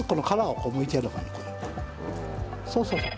そうそうそう。